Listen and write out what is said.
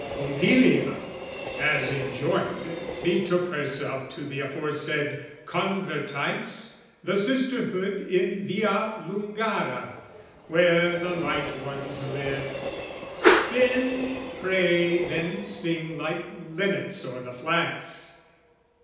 Pompilia, as enjoined, betook herself To the aforesaid Convertites, the sisterhood In Via Lungara, where the light ones live, Spin, pray, then sing like linnets o'er the flax.